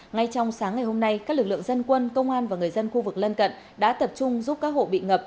ngay trong sáng ngày hôm nay các lực lượng dân quân công an và người dân khu vực lân cận đã tập trung giúp các hộ bị ngập